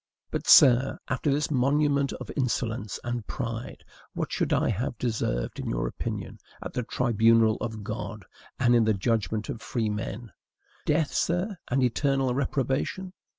But, sir, after this monument of insolence and pride, what should I have deserved in your opinion, at the tribunal of God, and in the judgment of free men? Death, sir, and eternal reprobation!